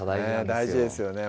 大事ですよね